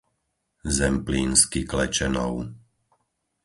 Zemplínsky Klečenov